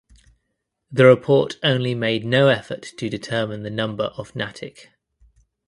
The report only made no effort to determine the number of Natick.